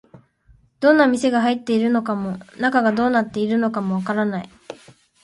どんな店が入っているのかも、中がどうなっているのかもわからない